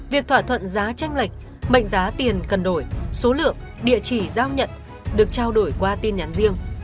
việc thỏa thuận giá tranh lệch mệnh giá tiền cần đổi số lượng địa chỉ giao nhận được trao đổi qua tin nhắn riêng